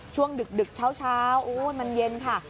ช่วงดึกเช้าโอ้ยมันเย็นค่ะ